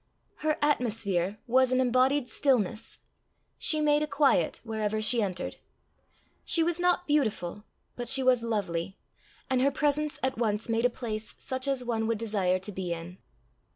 Her atmosphere was an embodied stillness; she made a quiet wherever she entered; she was not beautiful, but she was lovely; and her presence at once made a place such as one would desire to be in.